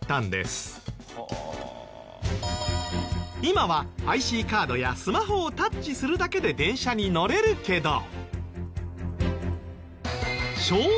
今はＩＣカードやスマホをタッチするだけで電車に乗れるけど。